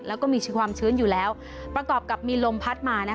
แล้วก็มีความชื้นอยู่แล้วประกอบกับมีลมพัดมานะคะ